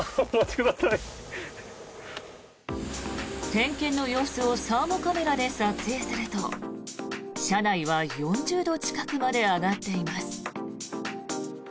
点検の様子をサーモカメラで撮影すると車内は４０度近くまで上がっています。